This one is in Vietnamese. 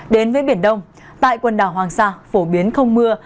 đến với biển đông tại quần đảo hoàng sa phổ biến không mưa